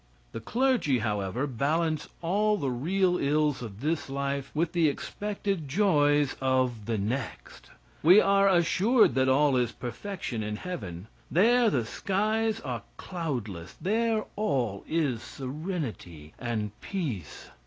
The clergy, however, balance all the real ills of this life with the expected joys of the next. We are assured that all is perfection in heaven there the skies are cloudless there all is serenity and peace.